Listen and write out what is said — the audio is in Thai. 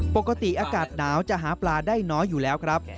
ปกติอากาศหนาวจะหาปลาได้น้อยอยู่แล้วครับ